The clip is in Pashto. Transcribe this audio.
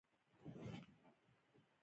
ازاده اړیکه له منځه ولاړه.